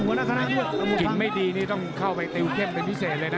หัวหน้าคณะด้วยถ้ากินไม่ดีนี่ต้องเข้าไปติวเข้มเป็นพิเศษเลยนะ